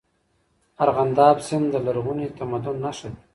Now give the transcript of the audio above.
ارغنداب سیند د لرغوني تمدن نښه ده.